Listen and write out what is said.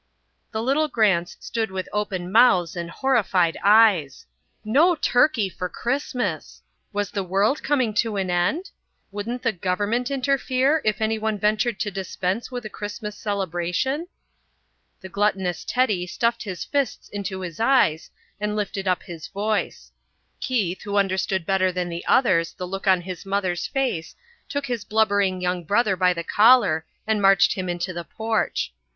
The little Grants stood with open mouths and horrified eyes. No turkey for Christmas! Was the world coming to an end? Wouldn't the government interfere if anyone ventured to dispense with a Christmas celebration? The gluttonous Teddy stuffed his fists into his eyes and lifted up his voice. Keith, who understood better than the others the look on his mother's face, took his blubbering young brother by the collar and marched him into the porch.